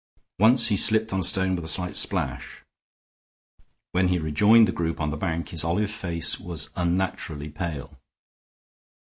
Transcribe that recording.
Once he slipped on a stone with a slight splash. When he rejoined the group on the bank his olive face was unnaturally pale.